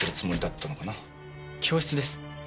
教室です。